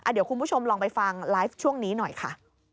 เดี๋ยวคุณผู้ชมลองไปฟังไลฟ์ช่วงนี้หน่อยค่ะ